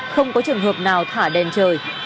không có trường hợp nào thả đèn trời